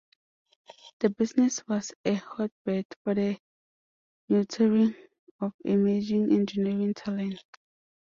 The business was a hotbed for the nurturing of emerging engineering talent.